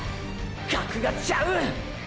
格がちゃう！！